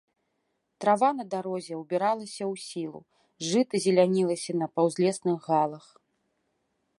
Трава на дарозе ўбіралася ў сілу, жыта зелянілася на паўзлесных галах.